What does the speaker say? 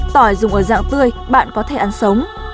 tỏi dùng ở dạng tươi bạn có thể ăn sống